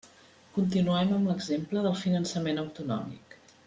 Continuem amb l'exemple del finançament autonòmic.